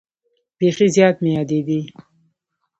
بیخي زیات مې یادېدې.